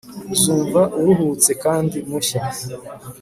uzumva uruhutse kandi mushya